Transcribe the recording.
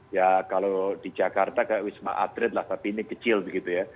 ya kalau di jakarta kayak wisma atlet lah tapi ini kecil begitu ya